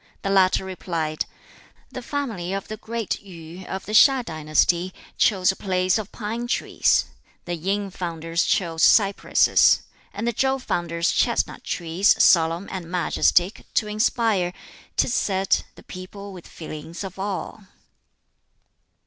The latter replied, "The Family of the Great Yu, of the HiŠ dynasty, chose a place of pine trees; the Yin founders chose cypresses; and the Chow founders chestnut trees, solemn and majestic, to inspire, 'tis said, the people with feelings of awe."